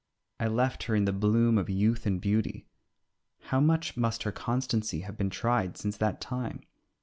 I left her in the bloom of youth and beauty. How much must her constancy have been tried since that time!